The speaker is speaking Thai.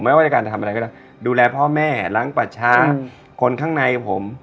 ไม่ว่าจะการจะทำอะไรก็ได้ดูแลพ่อแม่ล้างประชาคนข้างในผม